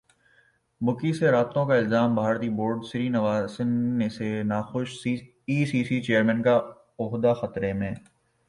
بکی سے رابطوں کا الزام بھارتی بورڈ سری نواسن سے ناخوش ئی سی سی چیئرمین کا عہدہ خطرے میں